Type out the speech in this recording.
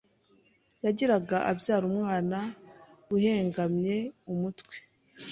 yagiraga abyara umwana uhengamye umutwe